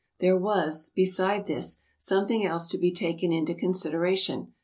There was, beside this, something else to be taken into consideration.